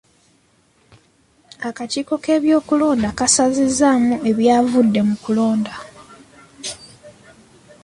Akakiiko k'ebyokulonda kasazizzaamu ebyavudde mu kulonda.